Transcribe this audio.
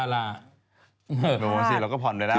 ดูสิเราก็ผ่อนไปแล้ว